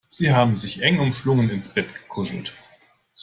Sie haben sich eng umschlungen ins Bett gekuschelt.